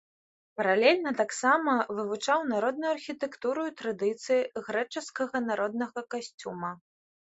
Паралельна таксама вывучаў народную архітэктуру і традыцыі грэчаскага народнага касцюма.